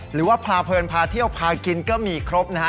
หรือว่าพาเพลินพาเที่ยวพากินก็มีครบนะฮะ